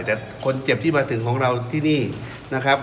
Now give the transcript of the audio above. แต่คนเจ็บที่มาถึงของเราที่นี่นะครับ